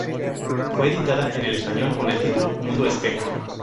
Fue editada en español con el título "Mundo espejo".